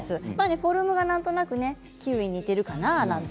フォルムがなんとなくキウイに似ているかななんて。